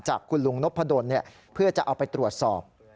จากคุณลุงนพดนเนี่ยเพื่อจะเอาไปตรวจสอบ